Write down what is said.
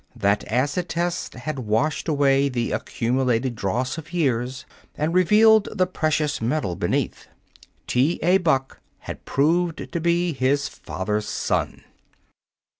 That acid test had washed away the accumulated dross of years and revealed the precious metal beneath. T. A. Buck had proved to be his father's son.